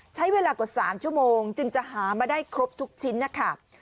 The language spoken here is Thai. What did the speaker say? ใช้เวลากว่า๓ชั่วโมงจึงจะหามาได้ครบทุกชิ้นนะคะ